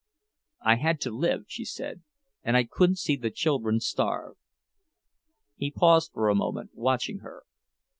"I had to live," she said; "and I couldn't see the children starve." He paused for a moment, watching her.